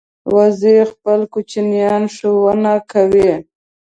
وزې خپل کوچنیان ښوونه کوي